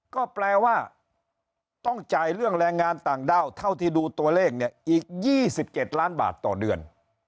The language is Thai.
ก็แปลว่าต้องจ่ายเรื่องแรงงานต่างด้าวเท่าที่ดูตัวเลขเนี่ยอีก๒๗ล้านบาทต่อเดือน